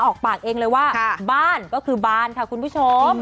ออกปากเองเลยว่าบ้านก็คือบานค่ะคุณผู้ชม